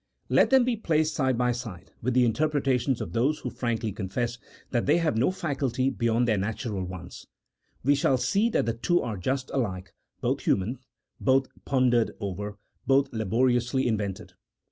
Let them be placed side by side with the interpretations of those who frankly confess that they have no faculty beyond their natural ones ; we shall see that the two are just alike — both human, both long pondered over, both laboriously invented.